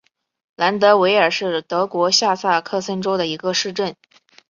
兰德韦尔是德国下萨克森州的一个市镇。